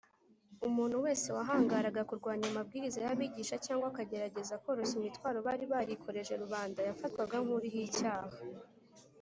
. Umuntu wese wahangaraga kurwanya amabwiriza y’abigisha cyangwa akagerageza koroshya imitwaro bari barikoreje rubanda yafatwaga nk’uriho icyaha